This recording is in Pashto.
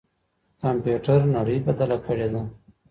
کمپيوټر نړۍ بدله کړې ده.